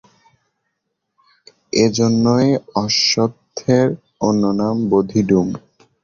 এজন্যই অশ্বত্থের অন্য নাম বোধিডুম।